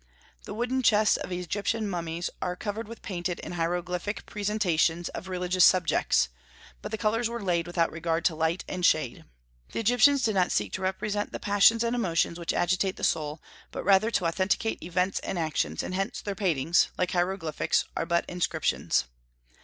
The wooden chests of Egyptian mummies are covered with painted and hieroglyphic presentations of religious subjects; but the colors were laid without regard to light and shade. The Egyptians did not seek to represent the passions and emotions which agitate the soul, but rather to authenticate events and actions; and hence their paintings, like hieroglyphics, are but inscriptions.